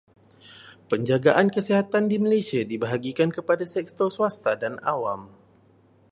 Penjagaan kesihatan di Malaysia dibahagikan kepada sektor swasta dan awam.